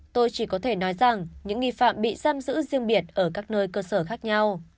tôi chỉ có thể nói rằng những nghi phạm bị giam giữ riêng biệt ở các nơi cơ sở khác nhau